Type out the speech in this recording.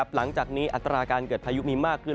หลังจากนี้อัตราการเกิดพายุมีมากขึ้น